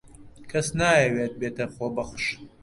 کەس نایەوێت ببێتە خۆبەخش.